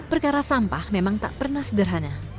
perkara sampah memang tak pernah sederhana